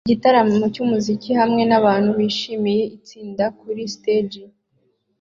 Igitaramo cyumuziki hamwe nabantu bishimiye itsinda kuri stage